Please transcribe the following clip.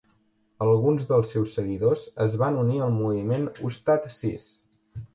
Alguns dels seus seguidors es van unir al moviment Ustadh Sis.